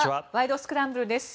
スクランブル」です。